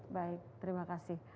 baik terima kasih